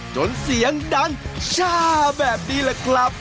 เสียงดังช่าแบบนี้แหละครับ